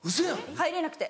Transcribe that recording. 入れなくて。